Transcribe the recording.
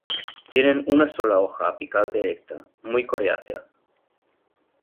Tienen una sola hoja apical erecta, muy coriácea.